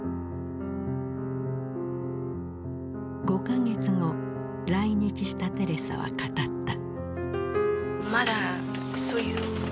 ５か月後来日したテレサは語った。